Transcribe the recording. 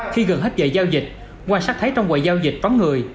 khi gần hết giờ giao dịch quan sát thấy trong quầy giao dịch vắng người